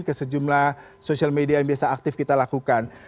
ke sejumlah social media yang biasa aktif kita lakukan